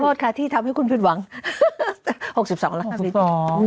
โอ้ขอโทษค่ะที่ทำให้คุณผิดหวัง๖๒แล้วค่ะ